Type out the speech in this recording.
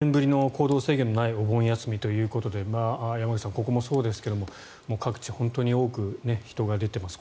３年ぶりの行動制限のないお盆休みということで山口さん、ここもそうですが各地、本当に多く人が出ています。